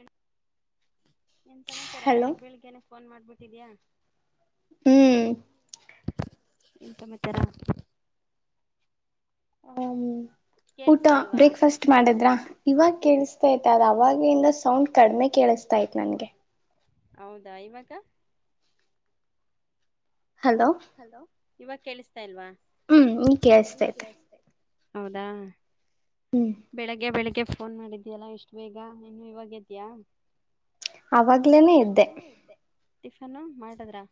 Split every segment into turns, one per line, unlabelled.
ಏ ಏನ್ ಸಮಾಚಾರ ಬೆಳಗ್ ಬೆಳಿಗ್ ನೆ ಫೋನ್ ಮಾಡ್ಬಿಟ್ಟಿದಯಾ
ಹ್ಮ್
ಇಂತಮ್ಮಚರ
ಹ್ ಊಟ ಬ್ರೇಕ್ಫಾಸ್ಟ್ ಮಾಡದ್ರ ಇವಾಗ ಕೇಳಿಸತಾ ಇ ಅವಾಗಿಂದ ಸೌಂಡ್ ಕಡಿಮೆ ಕೇಳಿಸ್ತಾ ಇತ್ ನನ್ಗೆ
ಹೌದಾ ಇವಾಗ
ಹಲೋ
ಇವಾಗ ಕೇಳಿಸ್ತಾ ಇಲ್ವಾ
ಹ್ಮ್ ಈ ಕಸ್ತ ಆಯ್ತೆ
ಹೌದಾ ಬೆಳಿಗ್ಗೆ ಬೆಳಿಗ್ಗೆ ಫೋನ್ ಮಾಡಿದ್ಯಲ್ಲಾ ಎಷ್ಟು ಬೇಗ ನೀನು ಇವಾಗೇದ್ಯಾ
ಅವಾಗ್ಲೇನೆೇ ಇದ್ದೆ
ಟಿಫನ್ನು ಮಾಡಿದ್ರಾ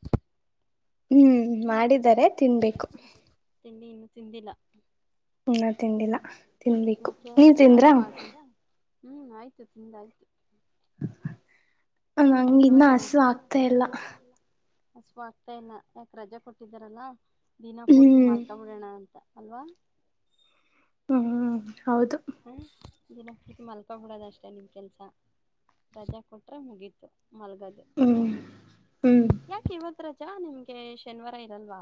ಹ್ಮ್ ಮಾಡಿದಿದ್ದಾರೆ ತಿನ್ಬೇಕು
ತಿದಲ
ಹ ತ ತಿಂದಿಲ್ಲ ತಿನ್ಬೇಕು ನೀವ ತಿಂದ್ರಾ
ಹ್ಮ್ ಆಯ್ತು ತಿಂದ ಆಯ್ತು
ಹ
ಮತ್ತೆ ಇನ್ನೊಂದು ಸಮಾ ತರ ಹಸು ಆಗ್ತಾ ಇಲ್ಲ ಹಸು ಆಗ್ತಾ ಇಲ್ಲ ಯಾಕೆ ರಜೆ ಕೊಟ್ಟಿದ್ದಾರಲ್ಲಾ ದೀನಪೂರ್ತಿ ಮಾಲ್ಕಾಬಡೋಣ ಅಂತ ಅಲ್ವಾ
ಹ್ಮ್ ಹೌದು
ದಿನಕ್ಕ ಮಲ್ಕೊಬಿಡೋದಷ್ಟೆ ನಿಮ್ಮ ಕೆಲಸ ರಜೆ ಕೊಟ್ಟ್ರೆ ಮುಗೀತು ಮಲ್ಗದೆ ಯಾಕ ಇವತ್ ರಜಾ ನಿಮ್ಗೆ ಶನಿವಾರ ಇರಲ್ವಾ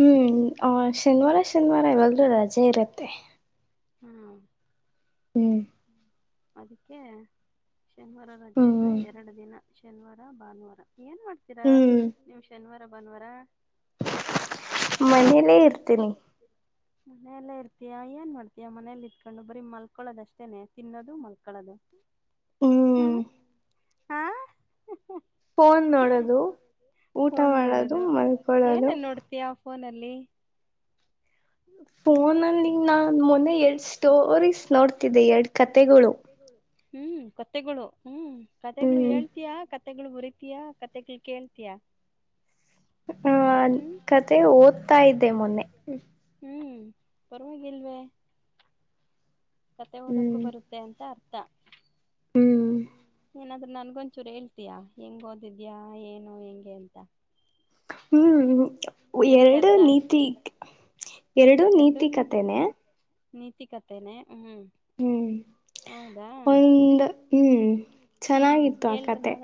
ಹ್ಮ್ ಆ ಶನಿವಾರ ಶನಿವಾರ ಎವಲ್ ರಜೆ ಇರತ್ತೆ
ಹ್ಮ
ಹ್ಮ್
ಅದಕ್ಕೆ ಶನಿವಾರ ರಜೆ ಇದ್ರೆ ಎರಡು ದಿನ ಶನಿವಾರ ಭಾನುವಾರ ಏನ್ ಮಾಡ್ತೀರಾ ನಿಮ್ ಶನಿವಾರ ಬನ್ವಾರ
ಮನೇಲ್ಲೇ ಇರ್ತೀನಿ
ಮನೆಯಲ್ಲೇ ಇರ್ತೀಯಾ ಏನ್ ಮಾಡ್ತೀಯ ಮನೇಲಿ ಇತ್ಕೊಂಡು ಬರೀ ಮಲ್ಕಳೋದಷ್ಟೇನೆ ತಿನ್ನೋದು ಮಲ್ಕಳೋದು ಹ್ಮ
ಫೋನ್ ನೋಡೋದು ಊಟ ಮಾಡೋದು ಮಲ್ಕೊಳ್ಳದು
ಫೋನಲ್ಲಿ
ಫೋನಲ್ಲಿ ನಾ ಮೊನ್ನೆ ಎರಡ್ ಸ್ಟೋರೀಸ್ ನೋಡ್ತಿದ್ದೆ ಎರಡ್ ಕತೆೆಗಳು
ಹ್ಮ್ ಕೊತೆೆಗಳು ಹ್ಮ್ ಕತೆಗಳು ಹೇಳ್ತಯಾ ಕತೆಗಳು ಬರಿತಯಾ ಕತೆಗಳು ಕೇಳ್ತಯಾ
ಹ ಕತೆ ಓದ್ತಾ ಇದ್ದೆ ಮೊನ್ನೆ
ಬರ್ಮಾಗಿಲ್ಮ ಕತೆ ಓದಕ್ಕೂ ಬರುತ್ತೆ ಅಂತ ಅರ್ಥ ಏನಾದ್ರೂ ನನ್ಗೊಂಚೂರು ಹೇಳ್ತಯಾ ಹೆಂಗ್ ಓದಿದ್ಯಾ ಏನು ಹೆಗೆ ಅಂತ
ಹ್ಮ್ ಎರಡು ನೀತಿ ಎರಡು ನೀತಿ ಕತೆೆನೇ
ನೀತಿ ಕತೆನೆ ಹ್ಮ್
ಹ್ಮ್ ಒಂದು ಹ್ಮ್ ಚೆನ್ನಾಗಿತ್ತು ಆ ಕತೆ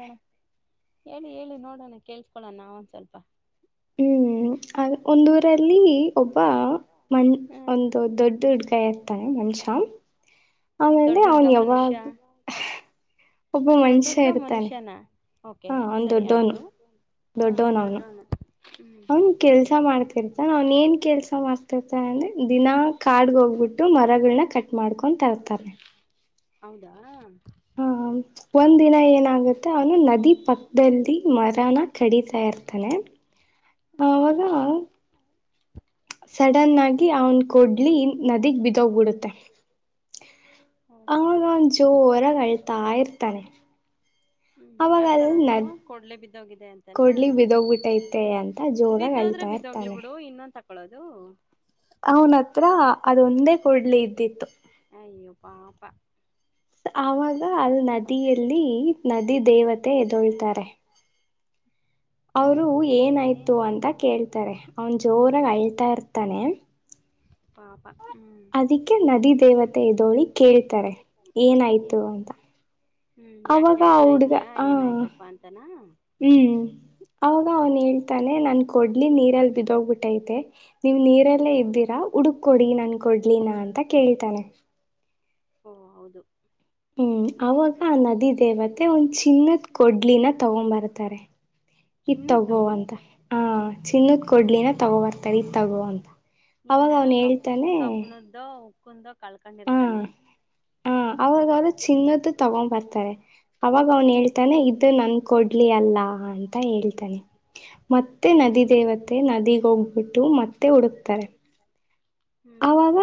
ಹೇಳಿ ಹೇಳಿ ನೋಡೋಣ ಕೇಳ್ಸ್ಕೊಳೋಣ ನಾವಂದ ಸ್ವಲ್ಪ
ಒಂದ ಊರಲ್ಲಿ ಒಬ್ಬ ಮಣ ಒಂದು ದೊಡ್ಡ ಉಡ್ಗಾಯಿ ಇರ್ತಾನೆ ಮಣ ಅವನ್ ಅವನು ಯ
ದೊಡ್ಡುಡ್ಗ ಮನುಷ್ಯನ ಓಕೆ ಸರಿ ಆಯ್ತು ಹ್ಮ್ ದೊಡ್ಡಣ
ಅವನ್ ಕೆಲ್ಸಾ ಮಾಡ್ತಿರ್ತ ಅವನ್ ಏನ್ ಕೆಲ್ಸಾ ಮಾಡ್ತಿತ ಅಂದ್ರೆ ದಿನಾ ಕಾಡ್ ಹೋಗ್ಲಿ ಬಿಟ್ಟು ಮರಗಳನ್ನ ಕಟ್ ಮಾಡ್ಕೊ ತರ್ತಾರೆ
ಹೌದಾ
ಒಂದ್ ದಿನ ಏನಾಗುತ್ತೆ ಅವನು ನದಿ ಪಕ್ಕದಲ್ಲಿ ಮರನ ಕಡಿತಾ ಇರ್ತಾನೆ
ಸರಿ
ಸಡನ್ ಆಗಿ ಅವನ್ ಕೊಡ್ಲಿ ನದಿಗ್ ಬಿದೋಗ್ಬಿಡುತ್ತೆ ಹ ನಾ ಜೋರೆ ಕಳ್ತ ಆಯರ್ತಾನೆ
ಹ್ಮ್ ಯಾಕಳೋದು ಕೊಡ್ಲೆ ಬಿದ್ದೋಗಿದೆ ಅಂತನಾ ಬ ಇದೋದ್ರೆ ಬಿದ್ದೋಗ್ಲಿ ಬಿಡು ಇನ್ನೊಂದು ತಕೊಳೋದು
ಅವನತ್ರ ಅದೊಂದೇ ಕೊಡ್ಲಿ ಇದ್ದಿತ್ತು
ಪಾಪ
ಆವಾಗ ಅಲ್ ನದಿಯಲ್ಲಿ ನದಿ ದೇವತೆ ಎದೊಳ್ತಾರೆ ಅವರು ಏನಾಯ್ತು ಅಂತ ಕೇಳ್ತಾರೆ ಅವನ್ ಜೋರಾಗ ಅಳ್ತಾ ಇರ್ತಾನೆ
ಪಾಪ
ಅದಿಕ್ಕೆ ನದಿ ದೇವತೆ ಇದದುಳಿ ಕೇಳ್ತಾರೆ ಏನಾಯ್ತು ಅಂತ
ಹ್ಮ್ ಯಾಕ ಹೇಳ್ತಾ ಇದಯ ಏನಾಯ್ತಪ್ಪಾ ಅಂತಾನ
ಹ್ಮ್ ಅವಾಗ ಅವನ್ ಹೇಳ್ತಾನೆ ನಾನ್ ಕೊಡ್ಲಿ ನೀರಲ್ಲಿ ಬಿದೋಗ್ಬಿಟ್ಟೈತೆ ನೀವ್ ನೀರಲ್ಲೇ ಇದ್ದೀರಾ ಹುಡುಕ್ಕೊಡಿ ನನ್ ಕೊಡ್ಲಿನ ಅಂತ ಕೇಳಿತಾನೆ
ಓ ಹೌದು
ಹ್ಮ್ ಅವಾಗ ಆ ನದಿ ದೇವತೆ ಒಂದ್ ಚಿನ್ನದ್ ಕೊಡ್ಲಿನ ತಗೊ ಬರ್ತಾರೆ ಇದ ತಗೋಂತ ಆ ಚಿನ್ನದ್ ಕೊಡ್ಲಿನ ತಗೋ ಬರ್ತಾರೆ ಇದ ತಗೋ ಅಂತ
ನೀವ್ನೇನ ಕಬ್ ಕಬ್ಬಣದ್ದು ಕುಂದೋಗ ಕಳ್ಕೊಂಡಿರ್ತಾನೆ ಹ್ಮ್
ತಗೊಂಡ್ ಬರ್ತಾರೆ ಅವಾಗ ಅವ್ನು ಹೇಳ್ತಾನೆ ಇದು ನನ್ ಕೊಡ್ಲಿ ಅಲ್ಲ ಅಂತ ಹೇಳ್ತಾನೆ ಮತ್ತೆ ನ ನದಿ ದೇವತೆ ನದಿಗ್ ಹೋಗ್ಬಿಟ್ಟು ಮತ್ತೆ ಹುಡುಕ್ತಾರೆ ಆಾಗ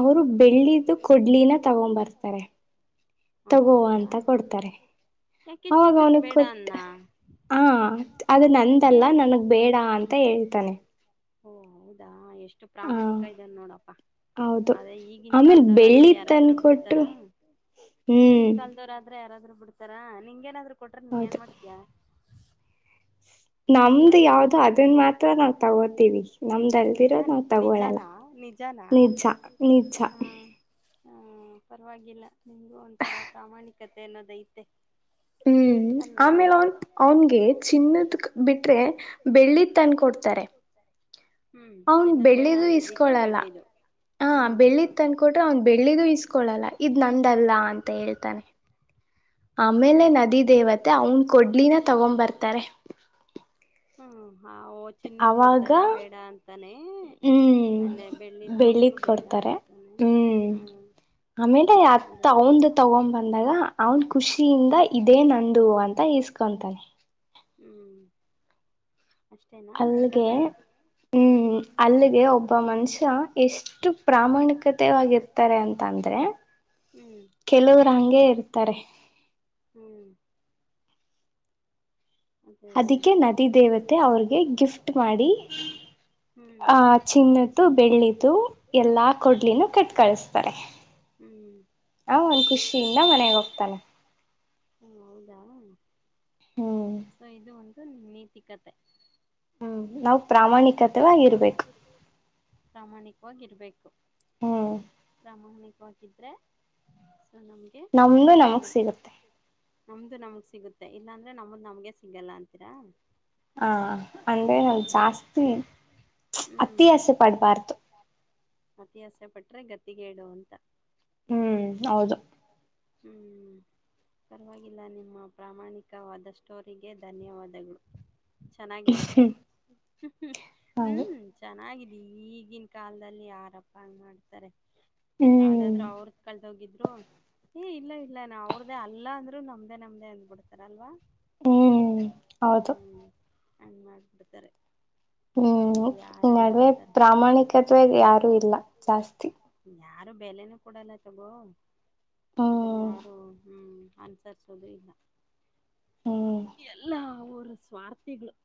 ಅವರು ಬೆಳ್ಳಿದ್ದು ಕೊಡ್ಲಿನ ತಗೊಬರ್ತಾರೆ ತಗೋ ಅಂತ ಕೊಡ್ತಾರೆ
ಯಾಕೆ ಚಿನ್ನದ್ ಬೇಡ ಅನ್ನ
ಹ ಅದು ನಂದಲ್ಲ ನನಗ್ ಬೇಡ ಅಂತ ಹೇಳ್ತಾನೆ
ಓ ಹೌದಾ ಎಷ್ಟು ಪ್ರಾಮಾಣಿಕ ಇದಾರೆ ನೋಡಪ್ಪಾ ಅದೇ ಈಗಿನ ಕಾಲ್ದವ್ರತ್ರ್ರ ಯಾರಾದ್ರೂ ಬಿಡ್ತಾರ ಈಗನ್ ಕಾಲ್ದವರಾದ್ರೆ ಯಾರಾದ್ರು ಬಿಡ್ತಾರಾ ನಿಂಗ ಏನಾದ್ರು ಕೊಟ್ರೆ ನೀನ್ ಏನ್ ಮಾಡ್ತಿಯಾ
ನಮ್ದ್ ಯಾವ್ದೋ ಅದನ್ ಮಾತ್ರ ನಾವ್ ತಗೋತೀವಿ ನಮ್ದ ಅಲ್ದಿರೋದು ನಾವ್ ತಗೋಳಲ್ಲ ನಿಜ ನಿಜ
ಹ ಪರವಾಗಿಲ್ಲ ನಿಮಗೂ ಒಂಥರ ಪ್ರಾಮಾಣಿಕತೆ ಅನ್ನೋದೈತೆ
ಹ್ಮ್ ಆಮೇಲೆ ಅವನ್ ಅವನ್ಗೆ ಚಿನ್ನದ ಬಿಟ್ಟ ಬೆಳ್ಳಿ ತಂದಕ ಕೊಡ್ತಾರೆ ಅವನ್ ಬೆಳ್ಳಿದು ಇಸ್ಕೊಳಲ್ಲ ಹಾ ಬೆಳ್ಳಿತ್ ಅಂದಕೊಟ್ರೆ ಅವ್ನ್ ಬೆಳ್ಳಿದು ಇಸ್ಕೊಳಲ್ಲ ಇದ್ ನಂದಲ್ಲ ಅಂತ ಹೇಳ್ತಾನೆ ಆಮೇಲೆ ನದಿ ದೇವತೆ ಅವನ್ ಕೊಡ್ಲಿನ ತಗೊ್ ಬರ್ತಾರೆ
ಹ್ಮ ಹಾ ಓ ಚಿನ್ನದ್ ಕೊಡ್ತಾರೆ ಬೇಡ ಅಂತಾನೇ ಆಮೇಲೆ ಬೆಳ್ಳಿದ್ ಕೊಟ್ಟರು ಬೇಡ.
ಹ್ಮ್. ಆಮೇಲೆ ಅತ್ ಅವನ್ ತಗೊ್ ಬಂದಾಗ ಅವ್ನ್ ಖುಷಿ. ಇದೇ ನಂದು ಅಂತ ಇಸ್ಕೊಂತಾನೆ.
ಅಷ್ಟೇನಾ ನಿನ್ ಕತೆ.
ಹ್ಮ್ ಅಲ್ಲಿಗೆ ಒಬ್ಬ ಮನುಷ್ಯ ಎಷ್ಟು ಪ್ರಾಮಾಣಿಕತೆವಾಗಿರ್ತಾರೆ ಅಂತಂದ. ಅಂದ್ರೆ.
ಹ್ಮ್ ಹ್ಮ್. ಅದೇ ಅದೇ ಅದೇ ಅದಕ್ಕೆ ನ ದೇವತೆ ಅವ್ರಿಗೆ ಗಿಫ್ಟ್ ಮಾಡಿ. ಹ್ಮ್ ಆ ಚಿಮ್ಮ್ದು ಬೆಳಿ್ದು ಎಲ್ಲಾ ಕೋಿನ ಕಳಸ್ತಾರೆ. ಹ್ಞ.
ಹ ಒಂದ್ ಖುಷಿಯಿಂದ ಮನೆಗ್ ಹೋಗ್ತಾನೆ.
ಹಾ ಹೌದಾ. ನೈತಿಕತೆ
ಹ್ಮ್ ನಾವವು ಪ್ರಾಮಾಣಿಕತೆವಾಗಿರ್ಬೇಕು.
ಪ್ರಾಮಾಣಿಕವಾಗಿರ್ಬೇಕು.
ಹ್ಮ್.
ಾಮನಕ್ಕೆ ಹಾಕಿದ್ರೆ. ನಮ್ಗೆ ಏನ ನಮ್ದು ನಮ್ಗ್ ಸಿಗುತ್ತೆ ಇಲ್ಲಾಂದ್ರೆ ನಮ್ದ ನಮ್ಗೆ. ಸಿಗಲ್ಲ ಅಂತೀರಾ.
ಹಾ ಅಂದ್ರೆ ನ ಜಾಸ್ತಿ ಅತಿಿಯಸೆ ಪಡ್ಬಾರ್ದು.
ಅತಿಯಾಸೆ ಪಟ್ರೆ ಗತಿ ಕೇಡು.
ಹ್ಮ್ ಹೌದು.
ಹ್ಮ್. ಪರವಾಗಿಲ್ಲ ನಿಮ್ಮ ಪ್ರಾಮಾಣಿಕವಾದ ಸ್ಟೋರಿಗೆ ಧನ್ಯವಾದಗಳು. ಚೆನ್ನಾಗಿದೆ ಹ್ಮ್ ಚೆನ್ನಾಗಿದೆ. ಈಗಿನ ಕಾಲದಲ್ಲಿ ಯಾರಪ್ಪ ಹಂಗ ಮಾಡ್ತಾರೆ ಯಾವದಾದ್ರರು ಅವ್ರದ ಕಳದ ಹೋಗಿದ್ರು. ಏ ಇಲ್ಲ ಇಲ್ಲ ಅವ್ರದ್ದೇ ಅಲ್ಲ ಅಂದರುೂ ನಮ್ದೇ ನಮ್ದೇ ಅಂದ್ ಬಿಡ್ತುರಲ್ವ.
ಹ್ಮ್ ಹೌದು.
ಹಂಗ ಮಾಡಬಿಡ್ತಾರೆ.
ಹ್ಮ್ ಈ ನಡುವೆ ಪ್ರಾಮಾಣಿಕತ್ವ ಯಾರು ಇಲ್ಲ ಜಾಸ್ತಿ.
ಯಾರು ಬೆಲೆನುೂ ಕೂಡಲ್ಲ ತಗೋ. ಅದನ್ನು ಯಾರೂ ಅನ್ಸರಿಸೋದುಿಲ್ಲ. ಎಲ್ಲಾ ಅವರ ಸ್ವಾರ್ಥಿಗಳುಗಳು.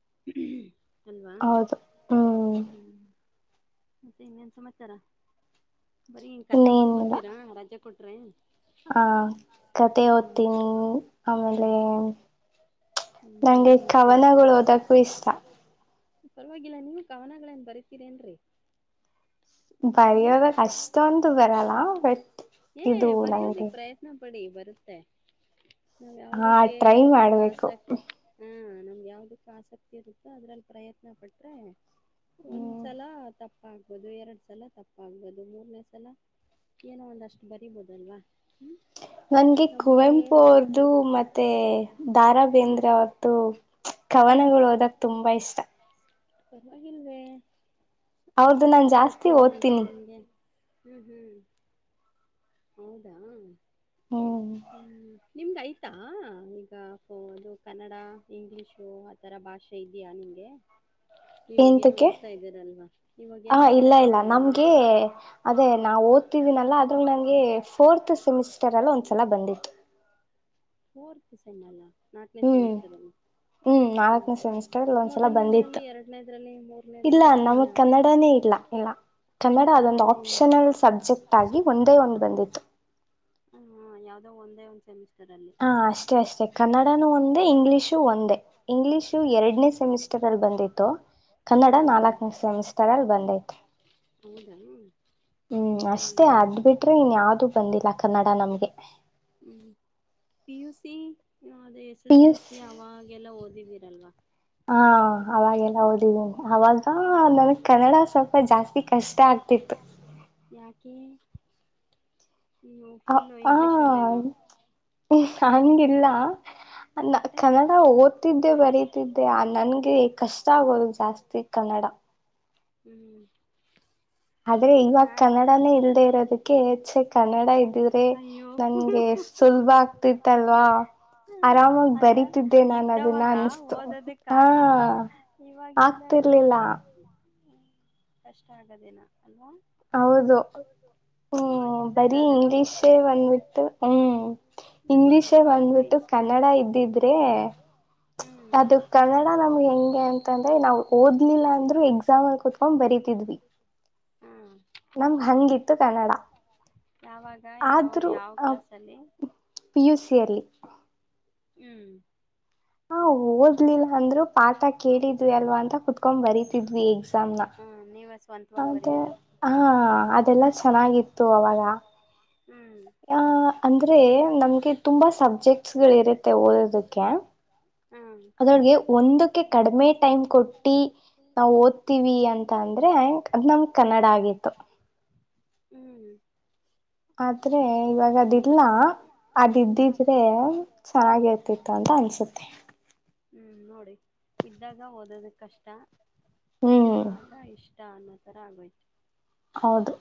ಅಲ್ವಾ ಹ್ಮ. ಮತ್ತೆ ಇನ್ನೇನ್ ಸಮಾಚಾರ ಬರೀ ಈ ಕತೆ ಓದ್ಕೊಂತೀರಾ ರಜೆ ಕೊಟ್ಟ. ್ರೈ.
ಹ ಕತೆ ಓದ್ತೀನಿ ಆಮೇಲೆ. ನಂಗೆ ಕವನಗಳು ಓದಕ್ಕೂ ಇಷ್ಟ.
ಪರವಾಗಿಲ್ಲ ನೀವು ಕವನಗಳನ್ ಬರಿತೀರಿ ನ್ರರಿ.
ಬರಯೋದ ಕಷ್ಟ ಅಂತ ಬರಲ್ಲ ಬಟ್.
ಏ ಬರಯೋದಿಕ್ ಪ್ರಯತ್ನ ಪಡಿ ಬರಿ. ಇತ್ತೆ ನಾವ್ ಯಾವದಕ್ಕೆ ನಮ್ಗೆ ಆಸಕ್ತಿ. ಹಾ ನಮ್ಗೆ ಯಾವ್ದಕ್ ಆಸಕ್ತಿ ಇರುತ್ತೋ ಅದ್ರಲ್ಲಿ ಪ್ರಯತ್ನ ಪಟ್ರೆ. ಒಂದ್ಸಲ ತಪ್ಪ. ತಪ್ಪ ಆಗ್ಬೋುದು ಎರಡ್ ಸಲ ತಪ್ಪಾಗಬೋದು ಮೂರನೇ ಸಲ ಏನೋ ಒಂದಷ್ಟು ಬರಿಬೋದಲ್ವಾ.
ನನ್ಗೆ ಕುವೆಂಪು ಅವರ್ದು ಮತ್ತೆ ಧಾರ. ಬೇಂದ್ರೆ ಅವರದು ಕವನಗಳು ಓದೋಕೆ ತುಂಬಾ ಇಷ್ಟ.
ಪರವಾಗಿಲ್ವೇ ಒಳ್ಳೆ ಆಸಕ್ತಿನ ಆಯ್ತು ನಿಮ್ಗೆ. ಹ್ಮ್ ಹ್ಮ್ ಹೌದಾ. ಹ್ಮ್ ನಿಮ್ಗೆ ಆಯತಾ ಈಗ ಅದು ಕನ್ನಡ ಇಂಗ್ಲೀಷ ಆಥರ ಭಾಷೆ ಇದೆಯಾ ಗೆ
ಎಂತಕ್ಕೆ ಹ ಇಲ್ಲ ಇಲ್ಲ ನಮ್ಗೆ ಅದೇ ನಾವು ಓದ್ತಿದೀನಲ್ಲ ಅ ನನಗೆ ಫೋರ್ತ್ ಸೆಮಿಸ್ಟರ್ ಅಲ್ಲಿ ಒಂದ್ಸಲ ಬಂದಿತ್ತು
ಫೋರ್ ಸೆಮಾ ನಾಟನೇ ಸೆಮಿಸಸ್ರ್
ಹ್ಮ್ ನಾಲ್ಕನೇ ಸೆಮಿಸ್ಟಟರ್ಲ್ಲಿ ಒಂದ್ಸಲ ಬಂದಿತ್ತು ಇಲ್ಲ ನಮ ಕನ್ನಡನೇ ಇಲ್ಲ ಇ ಇಲ್ಲ ಕನ್ನಡ ಅದೊಂದು ಆಪ್ಷನಲ್ ಸಬ್ಜೆಕ್ಟ್ ಆಗಿ ಒಂದೇ ಒಂದು ಬಂದಿತ್ತು
ಹ್ಮ್ ಯಾವುದೋ ಒಂದೇ ಒಂದ್ಮಿಸ್ಟರ್ ಅ
ಹಾ ಅಷ್ಟೇ ಅಷ್ಟೇ ಕನ್ನಡನು ಒಂದೇ ಇಂಗ್ಲಿಷು ಒಂದೇ ಇಂಗ್ಲಿಷು ಎರಡನೇ ಸೆಮಿಸ್ಟರ್ ಅಲ್ಲಿ ಬಂದಿತ್ತು ಕನ್ನಡ ನಾಲ್ಕನೇ ಸೆಮಿಸ್ಟರ್ ಅಲ್ಲಿ ಬಂದೈತ
ಹೌದಾ ಹ್ಮ್ ಹ್ಮ್ ಪಿ ಯು ಸಿ ಅ ಎಸ್ ಎಸ್ ಎಲ್ ಸಿ ಅವಾಗೆಲ್ಲ ಓದಿದೀರಲ್ವಾ
ಹಾ ಅವಾಗೆಲ್ಲ ಓದಿದ್ದೀನಿ ಅವಾಗ ನನ್ಗ್ ಕನ್ನಡ ಸ್ವಲ್ಪ ಜಾಸ್ತಿ ಕಷ್ಟ ಆ
[unintelligible] ಓ ನೀವು ಫುಲ್ಲ ಇಂಗ್ಲೀಷ್ ಅವರೇನಾ
ನಂಗಿಲ್ಲ ಕನ್ನಡ ಓದ್ತಿದ್ದೆ ಬರೀತಿದ್ದೆ ಆ ನನ್ಗೆ ಕಷ್ಟ ಆಗೋದ ಜಾಸ್ತಿ ಕನ್ನಡ
ಹ್ಮ್
ಆದ್ರೆ ಇವಾಗ ಕನ್ನಡಾನೇ ಇಲ್ದೆೇ ಇರೋದಕ್ಕೆ ಹೆಚ್ಚ ಕನ್ನಡ ಇದ್ದಿದ್ರೆ ನನ್ಗೆ ಸುಲಭ ಆಗ್ತಿತ್ತಲ್ವಾ ಆರಾಮಾಗ ಬರಿತಿದ್ದೆ ನಾನ ಅದನ್ನ ಅನ್ಸತು ಹಾ ಆಗ್ತೇ
ದಕ್ಕೆ ಕಷ್ಟ ಆಗೋದೇನ
ಹೌದು ಹ್ಮ್ ಬರಿ ಇಂಗ್ಲೀಷೇ ಬಂದಟ್ಟು ಹ್ಮ್ ಇಂಗ್ಲಿೀಷೇ ಬಂದ್ಬಿಟ್ಟು ಕನ್ನಡ ಇದ್ದಿದ್ರೆ ಅದ ಕನ್ನಡ ನಮ್ಗೆ ಹೆಂಗೆ ಅಂತಂದ್ರೆ ನಾವು ಓದ್ಲಿಲ್ಲ ಅಂದ್ರರು ಎಕ್ಸಾಮಲ್ಲಿ ಕುೂತ್ಕೊಂಡ ಬರ
ಬ
ನಮ್ಗೆ ಹಂಗಿತ್ತು ಕನ್ನಡ ಆದ್ರೂ ಅ ಪಿ ಯುಸಿಯಲ್ಲಿ
ಹ್ಮ್
ಹ್ಮ ಓದ್ಲಿಲ್ಲ ಅಂದ್ರು ಪಾಠ ಕೇಳಿದ್ವಿ ಅಲ್ವಾ ಅಂತ ಕುತ್ಕೊಂಡ್ ಬರತಿದ್ವಿ ಎಕ್ಸಾಮ್ ನ ಅದೇ ಹಾ ಅದೆಲ್ಲಾ ಚೆನ್ನಾಗಿತ್ತು ಅವಾಗ ಆ ಅಂದ್ರೆ ನಮ್ಗೆ ತುಂಬಾ ಸಬ್ಜೆಕ್ಟ್ಗಳು ಇರುತ್ತೆ ಓದೋದಕ್ಕೆ ಅದ್ರಳಗೆ ಒಂದ ಕಡಿಮೆ ಟೈಮ್ ಕೊಟ್ಟಿ ನಾವು ಓದ್ತೀವಿ ಅಂತ ಅಂದ್ರೆ ಅನಮ್ ಕನ್ನಡ ಆಗಿದೆ ಆಯ್ತು
ಹ್ಮ್
ಆದ್ರೆ ಇವಾಗ ಅದಿಲ್ಲ
ಹ್ಮ್ ನೋಡಿ ಇದ್ದಾಗ ಓದೋದ ಕಷ್ಟ ಇವಾಗ ಇಷ್ಟ ಚ ಅನಂತ ಆಗಯತ
ಹೌದು